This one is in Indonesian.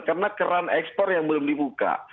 karena keran ekspor yang belum dibuka